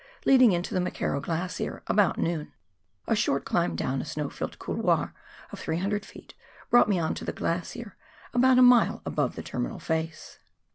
leading into the McKerrow Glacier about noon ; a short climb down a snow filled couloir of 300 ft. brought me on to the glacier, about a mile above the terminal face.